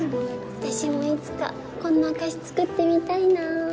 私もいつかこんなお菓子作ってみたいなあ